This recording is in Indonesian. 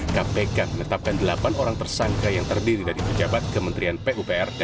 kpk menetapkan delapan orang tersangka yang terdiri dari pejabat kementerian pupr